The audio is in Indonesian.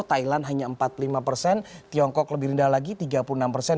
thailand hanya empat puluh lima persen tiongkok lebih rendah lagi tiga puluh enam persen